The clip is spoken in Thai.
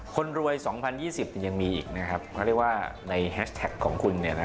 คนรวย๒๐๒๐ยังมีอีกนะครับเขาเรียกว่าในแฮชแท็กของคุณ